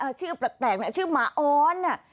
เอ่อชื่อแตกเระชื่อหมาออนน่ะ